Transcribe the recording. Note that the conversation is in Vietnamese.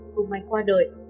thông manh qua đời